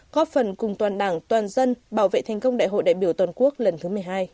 góp phần cùng toàn đảng toàn dân bảo vệ thành công đại hội đại biểu toàn quốc lần thứ một mươi hai